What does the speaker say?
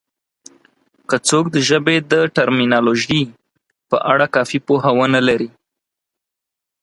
که څوک د ژبې د ټرمینالوژي په اړه کافي پوهه ونه لري